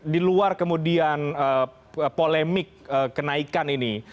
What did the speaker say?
di luar kemudian polemik kenaikan ini